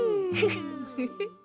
フフフ。